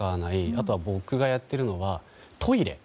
あと僕がやっているのはトイレ。